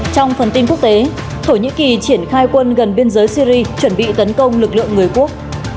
trong phần tin quốc tế thổ nhĩ kỳ triển khai quân gần biên giới syri chuẩn bị tấn công lực lượng người quốc